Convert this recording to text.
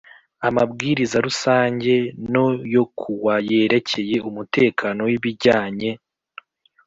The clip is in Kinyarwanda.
Amabwiriza Rusange no yo ku wa yerekeye umutekano w ibijyanye